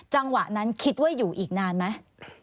จังหวะนั้นคิดว่าอยู่อีกนานไหม